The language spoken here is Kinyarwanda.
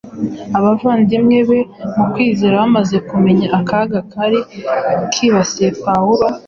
Abavandimwe be mu kwizera bamaze kumenya akaga kari kibasiye Pawulo,